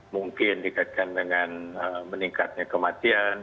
mungkin dikaitkan dengan meningkatnya kematian